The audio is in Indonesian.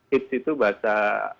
hiz itu bahasa